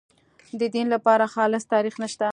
د دین لپاره خالص تاریخ نشته.